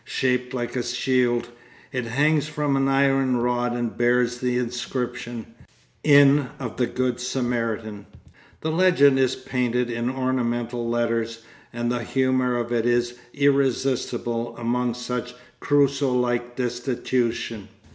Shaped like a shield, it hangs from an iron rod and bears the inscription, "Inn of the Good Samaritan." The legend is painted in ornamental letters, and the humour of it is irresistible among such Crusoe like destitution.